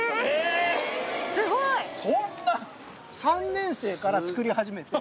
３年生から作り始めて。